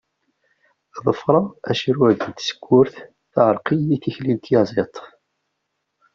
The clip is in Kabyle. Ḍefreɣ acrured n tsekkurt, teɛreq-iyi tikli n tyaẓiḍt.